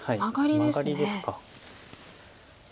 マガリですか。